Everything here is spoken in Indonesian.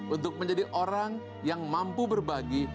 untuk menjadi orang yang mampu berbagi